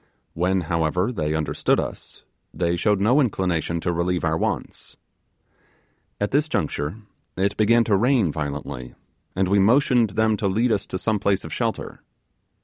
When, however, they understood us, they showed no inclination to relieve our wants. At this juncture it began to rain violently, and we motioned them to lead us to some place of shelter.